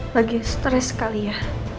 lagi stres sekali ya